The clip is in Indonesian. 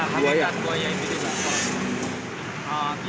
ya habitat buaya ini